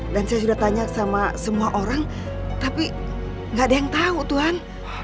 saya sudah tanya sama semua orang tapi gak ada yang tahu tuhan